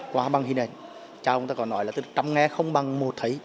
qua bằng hình ảnh cha ông ta có nói là từ trăm nghe không bằng một thấy